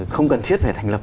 không cần thiết phải thành lập